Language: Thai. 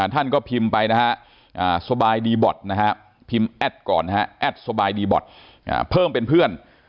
ท่านก็พิมพ์ไปนะฮะสบายดีบอร์ดนะฮะพิมพ์แอดก่อนนะฮะแอดสบายดีบอร์ดเพิ่มเป็นเพื่อน